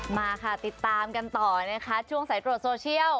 มาค่ะติดตามกันต่อนะคะช่วงสายตรวจโซเชียล